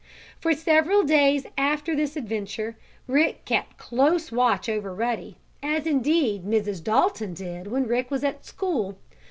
For several days after this adventure Rick kept close watch over Ruddy, as, indeed, Mrs. Dalton did when Rick was at school.